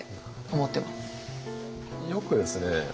よくですね